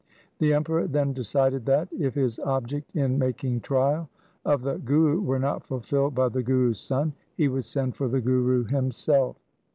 The Emperor then decided that, if his object in making trial of the Guru were not fulfilled by the Guru's son, he would send for the Guru himself.